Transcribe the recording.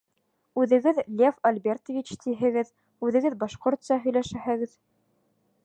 — Үҙегеҙ Лев Альбертович тиһегеҙ, үҙегеҙ башҡортса һөйләшәһегеҙ.